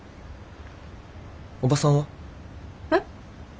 おばさんは？えっ？